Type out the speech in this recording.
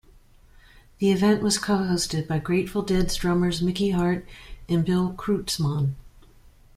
The event was co-hosted by Grateful Dead drummers Mickey Hart and Bill Kreutzmann.